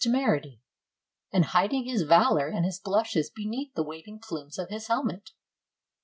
temerity, and hiding his valor and his blushes beneath the waving plumes of his helmet.